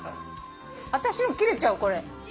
あたしの切れちゃうこれ。